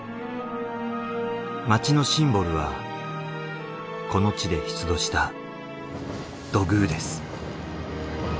町のシンボルはこの地で出土した土偶です。